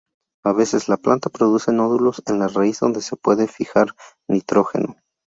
A veces, la planta produce nódulos en la raíz donde se puede fijar nitrógeno.